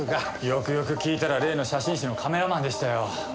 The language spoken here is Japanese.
よくよく聞いたら例の写真誌のカメラマンでしたよ。